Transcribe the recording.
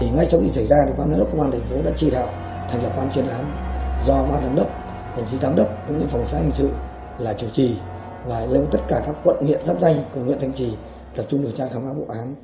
ngay sau khi xảy ra thì ban giám đốc công an thành phố đã chỉ đạo thành lập quan chuyên án do ban giám đốc công sĩ giám đốc cũng như phòng xã hành sự là chủ trì và lưu tất cả các quận huyện giáp danh của huyện thành trì tập trung đối tra khám án vụ án